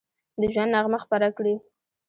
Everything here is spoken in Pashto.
د ژوند نغمه خپره کړي